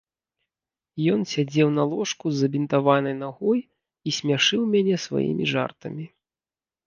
Ён сядзеў на ложку з забінтаванай нагой і смяшыў мяне сваімі жартамі.